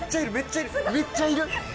めっちゃいる！